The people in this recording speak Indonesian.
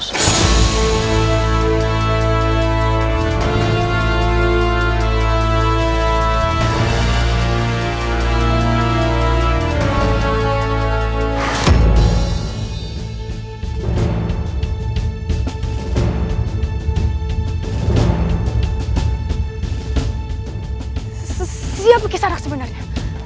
siapa kisah anak sebenarnya